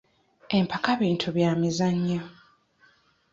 Empaka bintu bya byamizannyo.